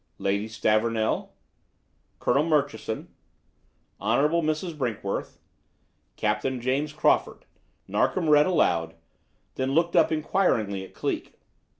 "Lady Stavornell; Colonel Murchison; Hon. Mrs. Brinkworth; Captain James Crawford," Narkom read aloud; then looked up inquiringly at Cleek.